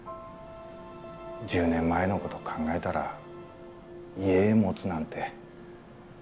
１０年前のこと考えだら家持つなんて。